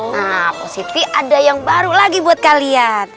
nah positif ada yang baru lagi buat kalian